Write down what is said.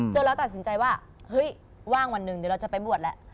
เราตัดสินใจว่าเฮ้ยว่างวันหนึ่งเดี๋ยวเราจะไปบวชแล้ว